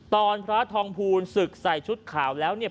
ตอนพระทองภูลศึกใส่ชุดขาวแล้วเนี่ย